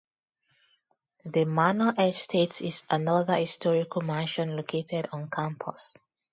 The Manor Estate is another historical mansion located on campus.